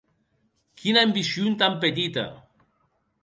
Quina ambicion tan petita!